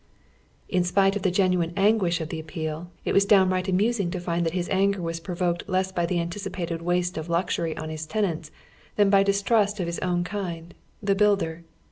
In spite of the genuine anguish of the appeal, it was downright amusing to find that his anger was provoked less by the anticipated waste of luxury on his tenants than by distrust of his own kind, the builder.